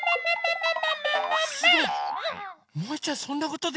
すごい！